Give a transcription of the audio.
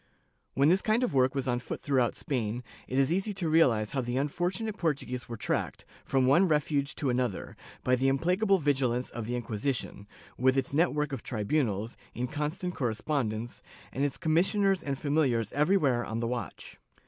^ When this kind of work was on foot throughout Spain, it is easy to realize how the unfortunate Portuguese were tracked, from one refuge to another, by the implacable vigilance of the Inqui sition, with its net work of tribunals, in constant correspondence, and its commissioners and familiars everywhere on the watch.